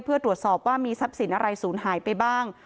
เพื่อตรวจสอบว่ามีทรัพย์สินอะไรศูนย์หายไปบ้าง